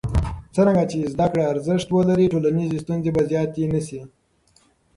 څرنګه چې زده کړه ارزښت ولري، ټولنیزې ستونزې به زیاتې نه شي.